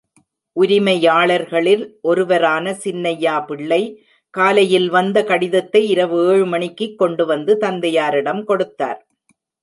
உரிமையாளர்களில் ஒருவரான சின்னையா பிள்ளை காலையில் வந்த கடிதத்தை இரவு ஏழு மணிக்குக் கொண்டு வந்து தந்தையாரிடம் கொடுத்தார்.